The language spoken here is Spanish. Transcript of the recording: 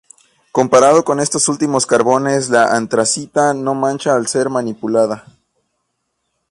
Comparado con estos últimos carbones la antracita no mancha al ser manipulada.